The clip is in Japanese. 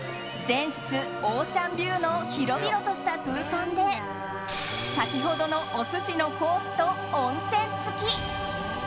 全室オーシャンビューの広々とした空間で先ほどのお寿司のコースと温泉付き。